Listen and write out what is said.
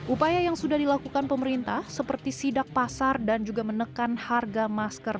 upaya yang sudah dilakukan pemerintah seperti sidak pasar dan juga menekan harga masker